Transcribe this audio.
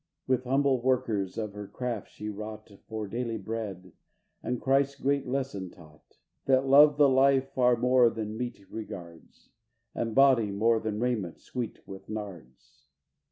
With humble workers of her craft she wrought For daily bread, and Christ's great lesson taught, That love the life far more than meat regards, And body, more than raiment sweet with nards.